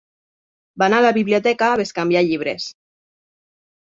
Va anar a la biblioteca a bescanviar llibres.